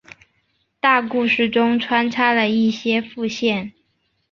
大故事中穿插了一些副线。